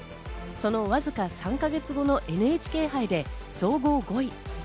そのわずか３か月後のＮＨＫ杯で総合５位。